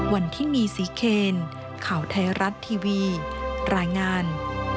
วันที่มีศรีเคนข่าวไทยรัฐทีวีรายงาน